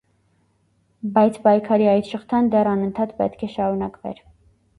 Բայց պայքարի այդ շղթան դեռ անընդհատ պետք է շարունակվեր։